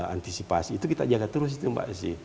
antisipasi itu kita jaga terus